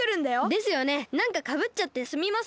ですよねなんかかぶっちゃってすみません。